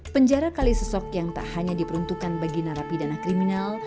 penjara kalisosok yang tak hanya diperuntukkan bagi narapidana kriminal